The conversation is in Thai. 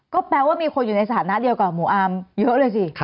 ก็แปลว่ามีคนอยู่ในสถานะเดียวกับหมู่อาร์มเยอะเลยสิ